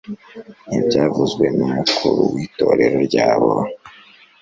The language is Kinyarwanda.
n'ibyavuzwe n'umukuru w'itorero ryabo!